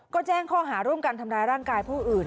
ก็แจ้งข้อหาร่วมกันทำร้ายร่างกายผู้อื่น